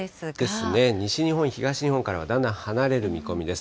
ですね、西日本、東日本からはだんだん離れる見込みです。